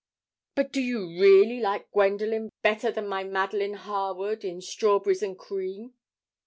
But do you really like Gwendoline better than my Magdalen Harwood, in "Strawberries and Cream."'